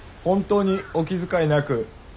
本当にお気遣いなく。